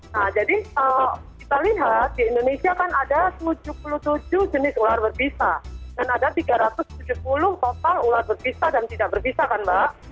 nah jadi kita lihat di indonesia kan ada tujuh puluh tujuh jenis ular berbisa dan ada tiga ratus tujuh puluh total ular berbisa dan tidak berbisa kan mbak